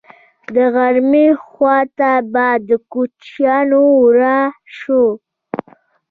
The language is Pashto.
د غرمې خوا ته به د کوچیانو وار شو.